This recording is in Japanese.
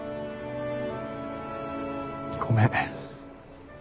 ごめん。